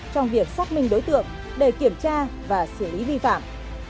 trong việc xác minh đối tượng để kiểm tra và xử lý vi phạm